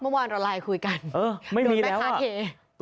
เมื่อวานเราไลค์คุยกันเออไม่มีแล้วอ่ะโดนไม่ค้าเท